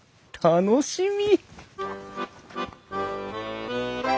楽しみ！